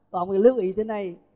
còn lưu ý thế này